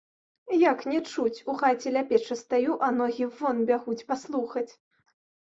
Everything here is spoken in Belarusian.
Як не чуць, у хаце ля печы стаю, а ногі вон бягуць, паслухаць.